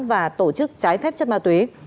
và tổ chức trái phép chất ma túy